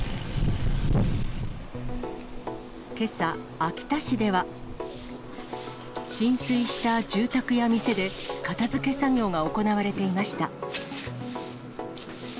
けさ、秋田市では、浸水した住宅や店で片づけ作業が行われていました。